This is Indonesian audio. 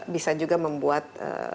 bisa juga membuat